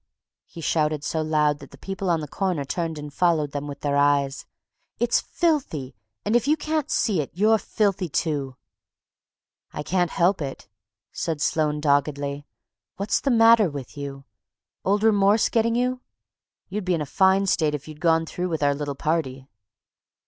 he shouted so loud that the people on the corner turned and followed them with their eyes, "it's filthy, and if you can't see it, you're filthy, too!" "I can't help it," said Sloane doggedly. "What's the matter with you? Old remorse getting you? You'd be in a fine state if you'd gone through with our little party."